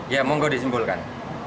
ya unggul disunggulkan